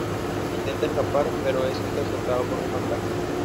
Intenta escapar, pero es interceptado por un fantasma.